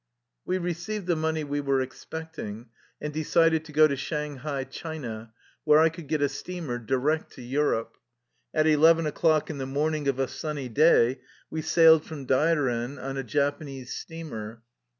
We received the money we were expecting, and decided to go to Shanghai, China, where I could get a steamer direct to Europe. At eleven o'clock in the morning of a sunny day we sailed from Dairen on a Japanese steamer.